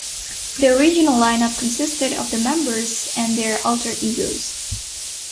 The original lineup consisted of the members and their alter egos.